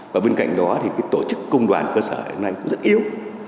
và bên cạnh đó thì tổ chức công đoàn cơ sở hiện nay cũng rất yếu